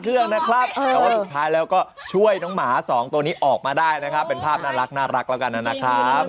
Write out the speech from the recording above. ทุกท่ายแล้วก็ช่วยน้องหมา๒ตัวนี้ออกมาได้เป็นภาพน่ารักละกันน่ะนะครับ